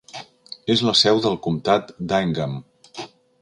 És la seu del comtat d'Ingham.